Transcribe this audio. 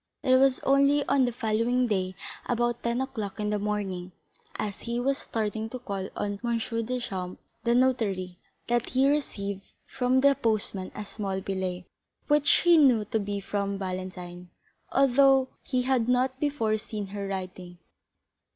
It was only on the following day, at about ten o'clock in the morning, as he was starting to call on M. Deschamps, the notary, that he received from the postman a small billet, which he knew to be from Valentine, although he had not before seen her writing.